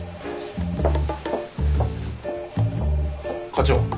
課長。